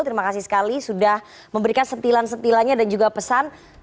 terima kasih sekali sudah memberikan sentilan sentilannya dan juga pesan